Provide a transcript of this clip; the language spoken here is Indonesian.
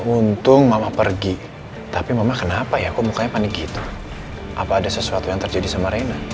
untung mama pergi tapi mama kenapa ya aku mukanya panik gitu apa ada sesuatu yang terjadi sama reina